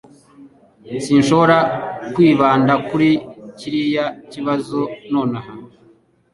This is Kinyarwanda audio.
Sinshobora kwibanda kuri kiriya kibazo nonaha.